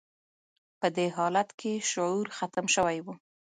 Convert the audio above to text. په دې حالت کې شعور ختم شوی و